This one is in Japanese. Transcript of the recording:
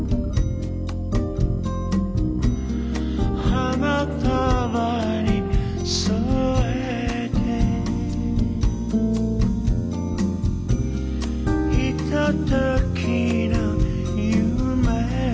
「花束に添えて」「ひとときの夢を」